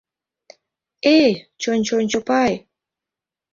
Эй, чон-чон Чопай!